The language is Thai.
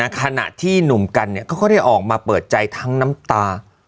ขณะที่หนุ่มกันเขาก็ได้ออกมาเปิดใจทั้งน้ำตา